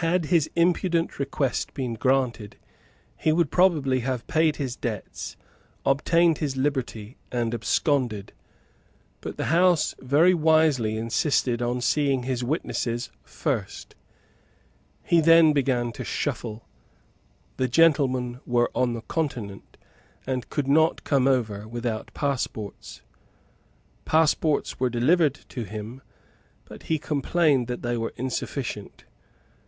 Had his impudent request been granted, he would probably have paid his debts, obtained his liberty, and absconded; but the House very wisely insisted on seeing his witnesses first. He then began to shuffle. The gentlemen were on the Continent, and could not come over without passports. Passports were delivered to him; but he complained that they were insufficient.